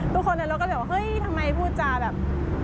ทุกคนในรถก็เลยว่าเฮ้ยทำไมพูดจาแบบ